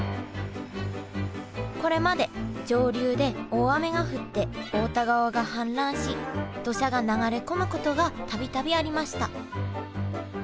これまで上流で大雨が降って太田川が氾濫し土砂が流れ込むことが度々ありました。